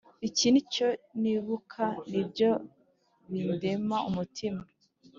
Iki ni cyo nibuka, Ni byo bindema umutima.